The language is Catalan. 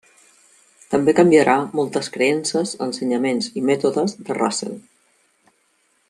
També canviarà moltes creences, ensenyaments i mètodes de Russell.